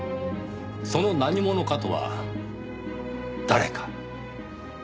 その何者かとは誰か。